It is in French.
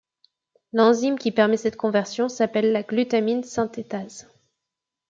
L'enzyme qui permet cette conversion s'appelle la glutamine synthétase.